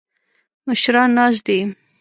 مشران ناست دي.